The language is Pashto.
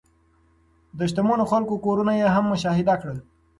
د شتمنو خلکو کورونه یې هم مشاهده کړل.